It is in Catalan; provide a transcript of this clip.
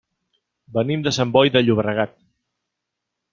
Venim de Sant Boi de Llobregat.